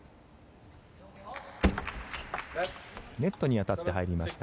ネットに当たって入りました。